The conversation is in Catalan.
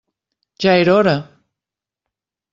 Ja era hora!